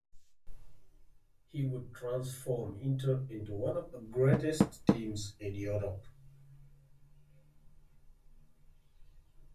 He would transform Inter into one of the greatest teams in Europe.